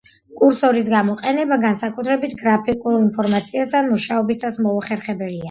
კურსორის გამოყენება, განსაკუთრებით გრაფიკულ ინფორმაციასთან მუშაობისას მოუხერხებელია.